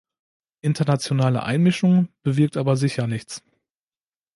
Internationale Einmischung bewirkt aber sicher nichts.